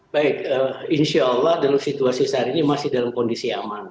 baik insya allah dalam situasi saat ini masih dalam kondisi aman